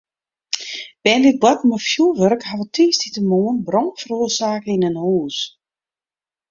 Bern dy't boarten mei fjoerwurk hawwe tiisdeitemoarn brân feroarsake yn in hús.